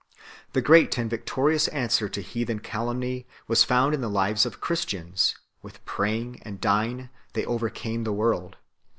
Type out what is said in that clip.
3. The great and victorious answer to heathen calumny was found in the lives of Christians; with praying arid dying they overcame the world.